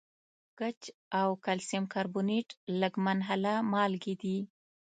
ګچ او کلسیم کاربونیټ لږ منحله مالګې دي.